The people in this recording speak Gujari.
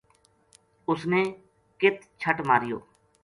اُس نے کت چھٹ ماریو